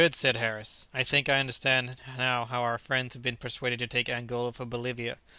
said Harris; "I think I understand now how our friends have been persuaded to take Angola for Bolivia.